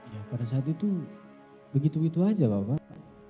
ya pada saat itu begitu begitu saja bapak